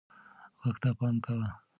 غږ ته پام کوه.